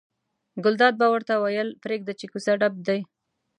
ګلداد به ورته ویل پرېږده یې کوڅه ډب دي.